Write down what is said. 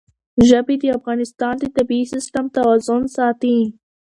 ژبې د افغانستان د طبعي سیسټم توازن ساتي.